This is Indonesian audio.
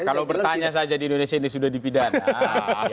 kalau bertanya saja di indonesia ini sudah dipidana